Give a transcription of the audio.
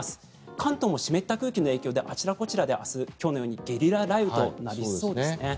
関東も湿った空気の影響であちらこちらで明日今日のようにゲリラ雷雨となりそうです。